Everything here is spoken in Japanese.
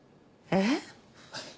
えっ？